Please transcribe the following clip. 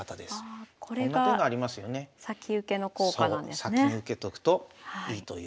先に受けとくといいという。